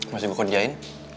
masih gue kerjain